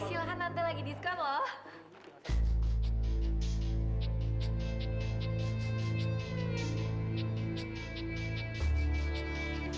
silahkan nanti lagi diskon loh